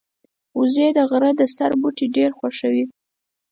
وزې د غره د سر بوټي ډېر خوښوي